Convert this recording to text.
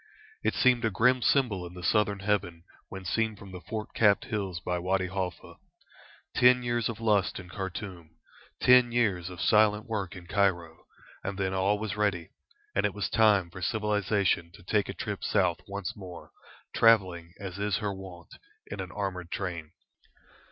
It seemed a grim symbol in the southern heaven when seen from the fort capped hills by Wady Halfa. Ten years of lust in Khartoum, ten years of silent work in Cairo, and then all was ready, and it was time for civilisation to take a trip south once more, travelling as her wont is in an armoured train.